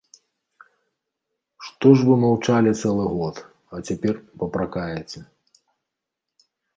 Што ж вы маўчалі цэлы год, а цяпер папракаеце?